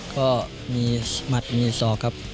ก็มีหมัดมีศอกครับ